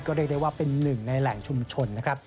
ก็เรียกได้ว่าเป็นหนึ่งในแหล่งชุมชนนะครับ